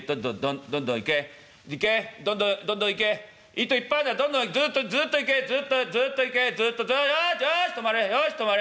どんどん行け行けどんどん行け糸いっぱいあんだどんどんずっとずっと行けずっとずっと行けずっとよしよし止まれよし止まれ。